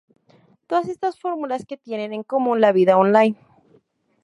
Todas estas fórmulas que tienen en común la vida online